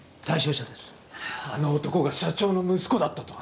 あの男が社長の息子だったとは。